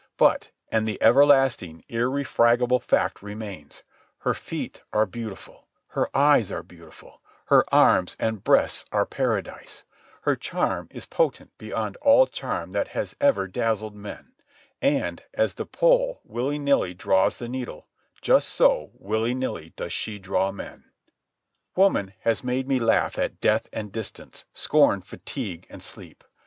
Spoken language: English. But—and the everlasting, irrefragable fact remains: _Her feet are beautiful, her eyes are beautiful, her arms and breasts are paradise, her charm is potent beyond all charm that has ever dazzled men; and, as the pole willy nilly draws the needle, just so, willy nilly, does she draw men_. Woman has made me laugh at death and distance, scorn fatigue and sleep.